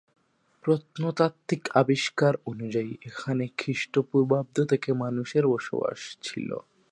প্রত্নতাত্ত্বিক আবিষ্কার অনুযায়ী এখানে খ্রিষ্টপূর্বাব্দ থেকে মানুষের বসবাস ছিল।